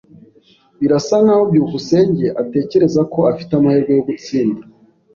Birasa nkaho byukusenge atatekereza ko afite amahirwe yo gutsinda.